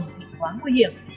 thì quá nguy hiểm